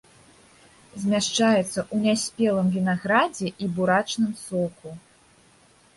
Змяшчаецца ў няспелым вінаградзе і бурачным соку.